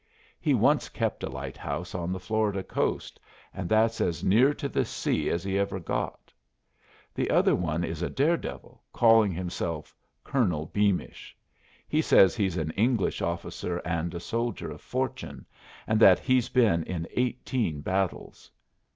He once kept a lighthouse on the Florida coast, and that's as near to the sea as he ever got. The other one is a daredevil calling himself Colonel Beamish. He says he's an English officer, and a soldier of fortune, and that he's been in eighteen battles.